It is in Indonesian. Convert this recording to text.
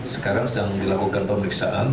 sekarang sedang dilakukan pemeriksaan